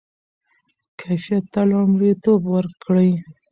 کیفیت ته لومړیتوب ورکړئ.